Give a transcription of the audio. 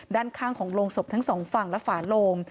ด้านข้างของโรงศพทั้งสองฝั่งและฝาโลง